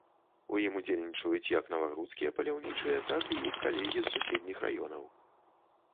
У ім удзельнічаюць як навагрудскія паляўнічыя, так і іх калегі з суседніх раёнаў.